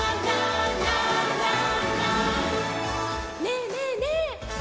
「ねえねえねえ？